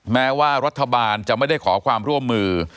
แม้ว่ารัฐบาลจะไม่ได้ขอความร่วมมือ